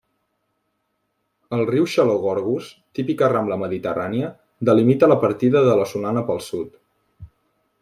El riu Xaló-Gorgos, típica rambla mediterrània, delimita la partida de la Solana pel sud.